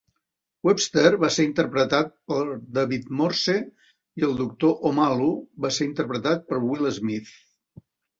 Webster va ser interpretat per David Morse i el doctor Omalu va ser interpretat per Will Smith.